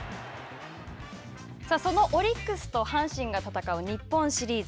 そのオリックスと阪神が戦う、日本シリーズ。